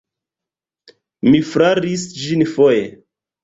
Mi flaris ĝin foje.